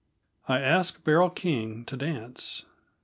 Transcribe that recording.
I ask Beryl King to Dance.